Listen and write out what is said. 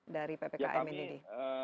dari ppkm ini